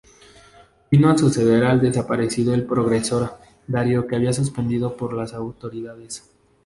Vino a suceder al desaparecido "El Progreso", diario que había suspendido por las autoridades.